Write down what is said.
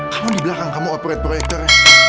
kamu di belakang kamu operer proyekter